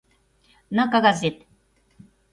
На, кагазет.